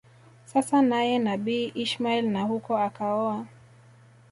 sasa naye Nabii Ismail na huko akaoa